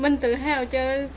mình tự hào cho